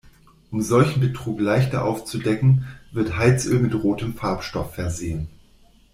Um solchen Betrug leichter aufzudecken, wird Heizöl mit rotem Farbstoff versehen.